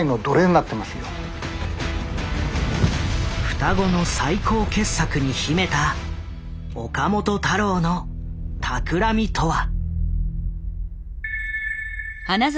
双子の最高傑作に秘めた岡本太郎の企みとは。